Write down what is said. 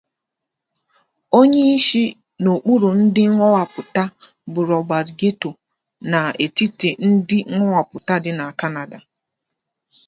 Under new management-the new editor is Robert Goyette-the Canadian edition continues to publish.